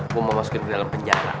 aku mau masukin ke dalam penjara